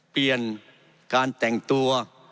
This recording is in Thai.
เปลี่ยนการแต่งตัว